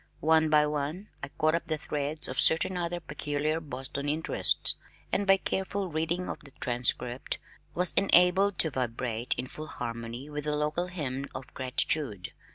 One by one I caught up the threads of certain other peculiar Boston interests, and by careful reading of the Transcript was enabled to vibrate in full harmony with the local hymn of gratitude.